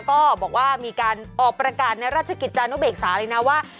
ก็บอกว่ามีการออกประกาศในราชกิจจานุเบกษาเลยนะว่า